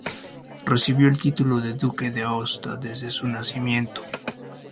Recibió el título de duque de Aosta desde su nacimiento.